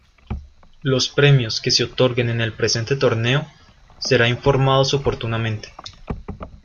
Los premios que se otorguen en el presente torneo será informados oportunamente.